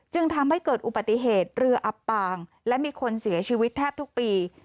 จึงทำให้เกิดอุบัติเหตุเรืออับปางและมีคนเสียชีวิตแทบทุกปี